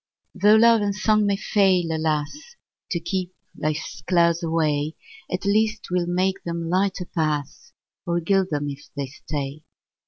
Tho' love and song may fail, alas! To keep life's clouds away, At least 'twill make them lighter pass, Or gild them if they stay.